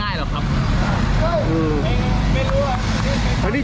เจ็บไหมเนี่ย